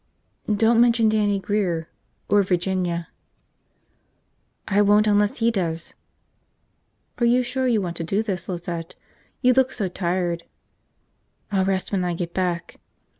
"Don't mention Dannie Grear. Or Virginia." "I won't unless he does." "Are you sure you want to do this, Lizette? You look so tired." "I'll rest when I get back."